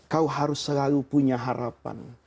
kau harus selalu punya harapan